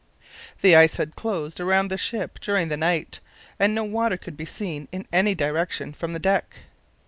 The ice had closed around the ship during the night, and no water could be seen in any direction from the deck.